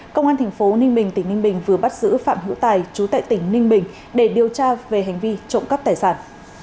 công an thành phố ninh bình tỉnh ninh bình vừa bắt giữ phạm hữu tài chú tại tỉnh ninh bình để điều tra về hành vi trộm cắp tài sản